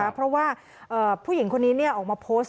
เพราะว่าผู้หญิงคนนี้ออกมาโพสต์